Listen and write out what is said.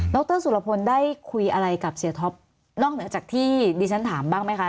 รสุรพลได้คุยอะไรกับเสียท็อปนอกเหนือจากที่ดิฉันถามบ้างไหมคะ